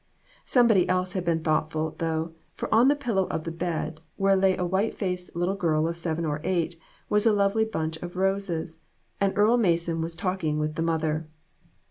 Somebody else had been thoughtful, though, for on the pillow of the bed, where lay a white faced little gin of seven or eight, was a lovely bunch of roses, and Earle Mason was talk ing with the mother.